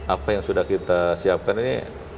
apa yang sudah kita siapkan ini